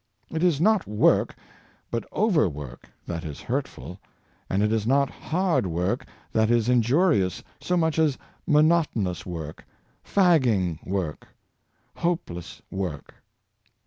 It is not work, but over work, that is hurtful; and it is not hard work that is injurious so much as monotonous work, fagging work, Waste in Overwork, 165 hopeless work.